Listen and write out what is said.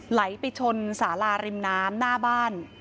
ไหลไปชนสาราริมน้ำหน้าบ้าน